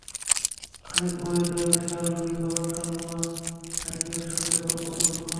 খানিক পরই তাঁর খেয়াল হয়, বাবা সালমা হায়েকের সঙ্গে গল্পে মশগুল।